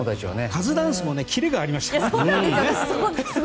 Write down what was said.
カズダンスもキレがありましたね。